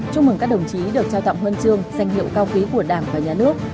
chúc mừng các đồng chí được trao tặng huân chương danh hiệu cao quý của đảng và nhà nước